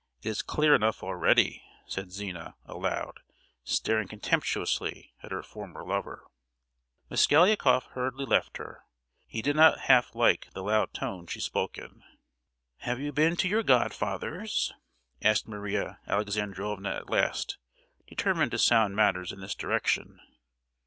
It is clear enough already!" said Zina, aloud, staring contemptuously at her former lover. Mosgliakoff hurriedly left her. He did not half like the loud tone she spoke in. "Have you been to your godfather's?" asked Maria Alexandrovna at last, determined to sound matters in this direction.